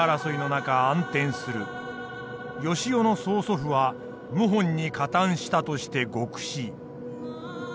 善男の曽祖父は謀反に荷担したとして獄死。